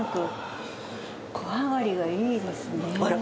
「小あがり」がいいですね。